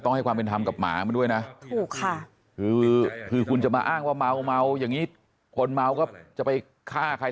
แต่ว่าแก่กระดาษผมไม่หลาย